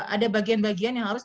ada bagian bagian yang harus